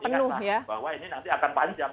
penuh ya bahwa ini nanti akan panjang